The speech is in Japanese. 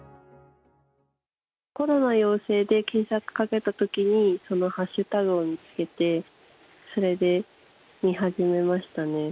コロナ陽性で検索かけたときに、そのハッシュタグを見つけて、それで見始めましたね。